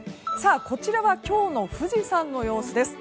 こちらは今日の富士山の様子です。